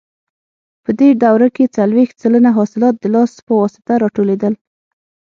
په دې دوره کې څلوېښت سلنه حاصلات د لاس په واسطه راټولېدل.